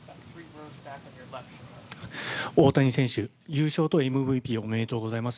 大谷選手、優勝とＭＶＰおめでとうございます。